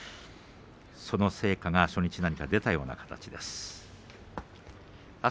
その成果が初日に何か出たような形です。